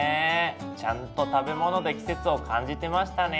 ちゃんと食べ物で季節を感じてましたね。